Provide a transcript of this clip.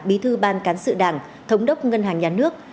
bí thư ban cán sự đảng thống đốc ngân hàng nhà nước